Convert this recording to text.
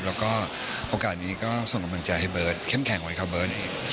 แล้วก็โอกาสนี้ก็ส่งกำลังใจให้เบิร์ตเข้มแข็งไว้ครับเบิร์ตเอง